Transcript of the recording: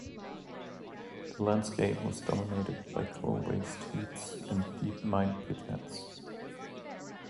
The landscape was dominated by coal-waste heaps and deep mine pit-heads.